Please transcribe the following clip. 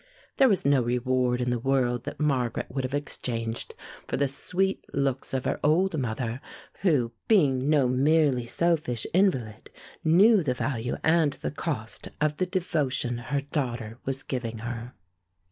There was no reward in the world that Margaret would have exchanged for the sweet looks of her old mother, who, being no merely selfish invalid, knew the value and the cost of the devotion her daughter was giving her.